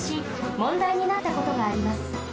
もんだいになったことがあります。